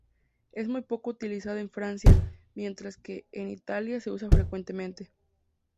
Es muy poco utilizada en Francia, mientras que, en Italia se usa frecuentemente.